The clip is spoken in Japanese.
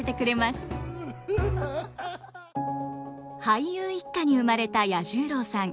俳優一家に生まれた彌十郎さん。